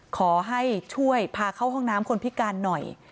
ขอให้ช่วยพาเข้าห้องน้ำคนพิการหน่อย